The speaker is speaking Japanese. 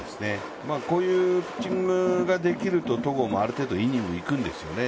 こういうピッチングができると戸郷もある程度イニング、いくんですよね。